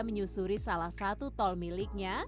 menyusuri salah satu tol miliknya